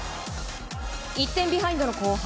１点ビハインドの後半。